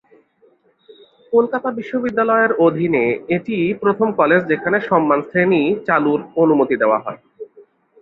কলকাতা বিশ্ববিদ্যালয়ের অধীনে এটিই প্রথম কলেজ যেখানে সম্মান শ্রেণি চালুর অনুমতি দেওয়া হয়।